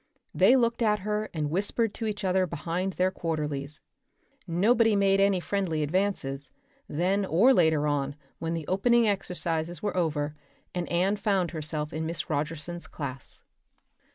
They looked at her and whispered to each other behind their quarterlies. Nobody made any friendly advances, then or later on when the opening exercises were over and Anne found herself in Miss Rogerson's class.